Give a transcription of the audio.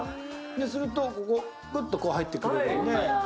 すると、ここ、くっと入ってくれるんで。